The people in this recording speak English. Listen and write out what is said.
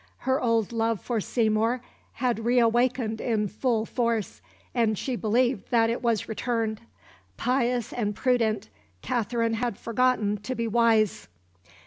Her old love for Seymour had re awakened in full force, and she believed it was returned. Pious and prudent, Katherine had forgotten to be wise.